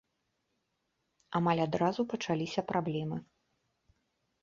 Амаль адразу пачаліся праблемы.